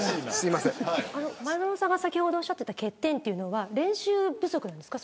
前園さんが先ほどおっしゃっていた欠点というのは練習不足なんですか